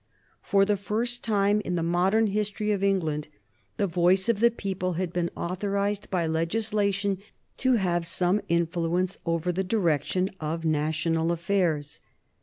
For the first time in the modern history of England the voice of the people had been authorized by legislation to have some influence over the direction of national affairs.